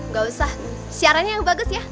gak usah siarannya yang bagus ya